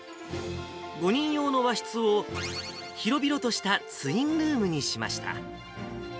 ５人用の和室を、広々としたツインルームにしました。